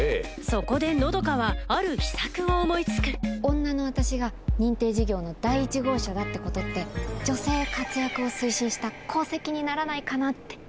そこで和佳はある秘策を思い付く女の私が認定事業の第１号者だってことって女性活躍を推進した功績にならないかなって。